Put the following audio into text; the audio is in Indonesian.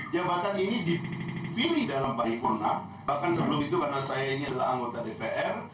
jabatan ini dipilih dalam paripurna bahkan sebelum itu karena saya ini adalah anggota dpr